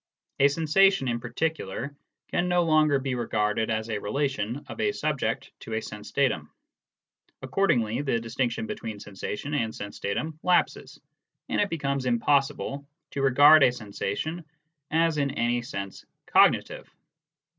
A sensation in particular can no longer be regarded as a relation of a subject to a sense datum ; accord ingly the distinction between sensation and sense datum lapses, and it becomes impossible to regard a sensation as in any sense cognitive.